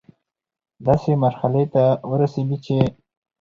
داسي مرحلې ته ورسيږي چي